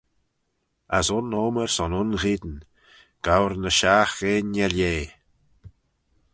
As un omer son un eayn, gour ny shiaght eayin er-lheh.